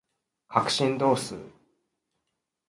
角振動数